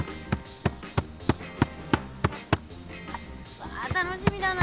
うわ楽しみだな。